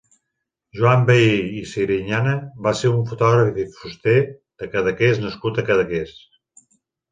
Joan Vehí i Serinyana va ser un fotògraf i fuster de Cadaqués nascut a Cadaqués.